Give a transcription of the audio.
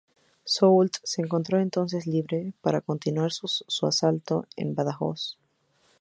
Soult se encontró entonces libre para continuar su asalto a Badajoz.